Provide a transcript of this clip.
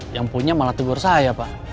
yang punya malah tegur saya pak